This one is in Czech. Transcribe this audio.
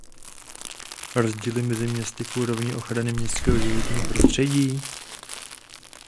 Rozdíly mezi městy v úrovni ochrany městského životního prostředí?